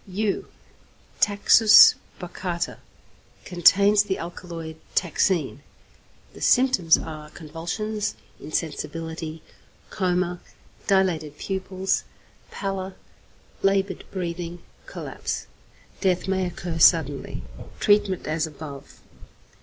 =Yew= (Taxus baccata) contains the alkaloid taxine. The symptoms are convulsions, insensibility, coma, dilated pupils, pallor, laboured breathing, collapse. Death may occur suddenly. Treatment as above.